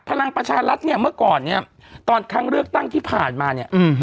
พลังประชารัฐเนี่ยเมื่อก่อนเนี่ยตอนครั้งเลือกตั้งที่ผ่านมาเนี่ยอืม